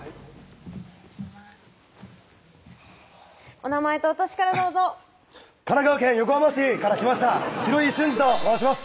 失礼しますお名前とお歳からどうぞ神奈川県横浜市から来ました広井駿治と申します